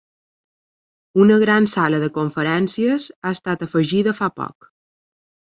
Una gran sala de conferències ha estat afegida fa poc.